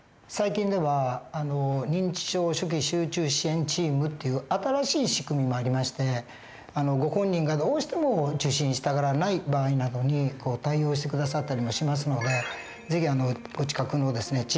最近では認知症初期集中支援チームっていう新しい仕組みもありましてご本人がどうしても受診したがらない場合などに対応して下さったりもしますので是非お近くのですね